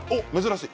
珍しい。